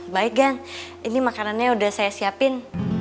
baik gang ini makanannya udah saya siapin